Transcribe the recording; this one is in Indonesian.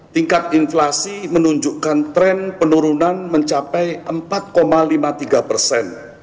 tingkat inflasi menunjukkan tren penurunan mencapai empat lima puluh tiga persen